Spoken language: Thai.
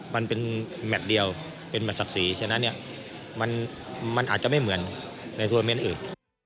มันเป็นแมทเดียวเป็นแมทศักดิ์ศรีฉะนั้นเนี่ยมันอาจจะไม่เหมือนในโทรเมนต์อื่น